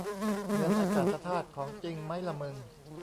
เงินอากาศธาตุของจริงมั้ยล่ะมึง